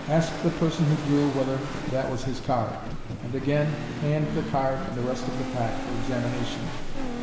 Ask the person who drew whether that was his card, and again hand the card and the rest of the pack for examination.